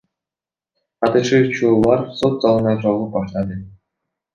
Катышуучулар сот залына чогулуп башташты.